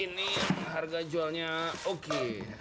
ini harga jualnya oke